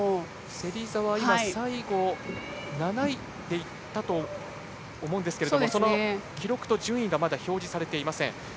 芹澤、今、最後は７位でいったと思うんですがその記録と順位がまだ表示されていません。